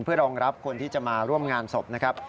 เพื่อรองรับคนที่จะมาร่วมงานศพนะครับ